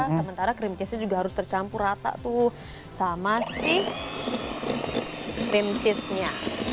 sementara cream case nya juga harus tercampur rata tuh sama si cream cheese nya